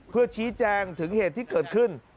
เพื่อชี้แจงถึงเหตุที่เกิดขึ้น